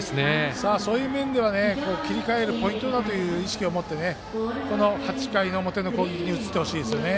そういう面では切り替えるポイントだという意識を持ってこの８回の表の攻撃に移ってほしいですよね。